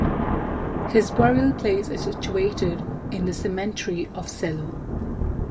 His burial place is situated in the cemetery of Celle.